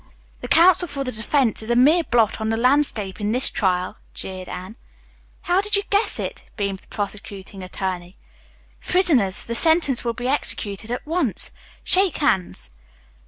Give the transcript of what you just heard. "The counsel for the defense is a mere blot on the landscape in this trial," jeered Anne. "How did you guess it?" beamed the prosecuting attorney. "Prisoners, the sentence will be executed at once. Shake hands."